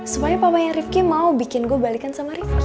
supaya papaya rifki mau bikin gue balikan sama rifki